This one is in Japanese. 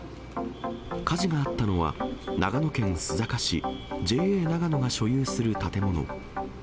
火事があったのは、長野県須坂市、ＪＡながのが所有する建物。